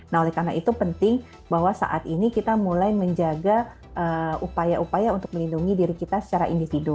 nah oleh karena itu penting bahwa saat ini kita mulai menjaga upaya upaya untuk melindungi diri kita secara individu